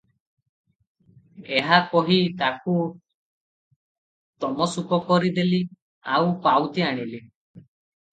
ଏହା କହି ତାଙ୍କୁ ତମସୁକ କରି ଦେଲି; ଆଉ ପାଉତି ଆଣିଲି ।